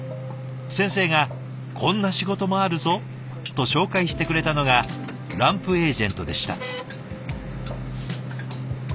先生が「こんな仕事もあるぞ」と紹介してくれたのがランプエージェントでした。